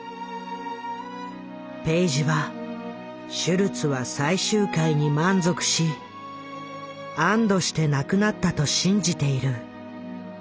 ペイジはシュルツは最終回に満足し安堵して亡くなったと信じている。